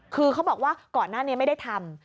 คือเขาบอกว่าก่อนหน้านี้ไม่ได้ทำ